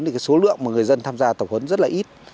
thì cái số lượng mà người dân tham gia tập huấn rất là ít